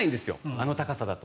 あの高さだと。